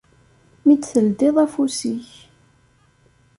Mi d-teldiḍ afus-ik.